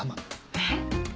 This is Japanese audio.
えっ？